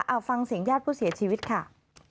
เอาฟังเสียงญาติผู้เสียชีวิตค่ะ